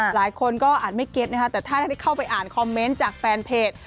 หลายคนก็อาจไม่เก็ตนะคะแต่ถ้าได้เข้าไปอ่านคอมเมนต์จากแฟนเพจ